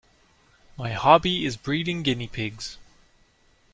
My hobby is breeding guinea pigs